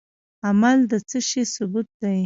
عمل د څه شي ثبوت دی؟